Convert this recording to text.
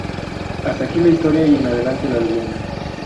Hasta aquí la historia y en adelante la leyenda.